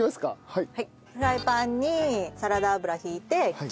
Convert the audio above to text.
はい。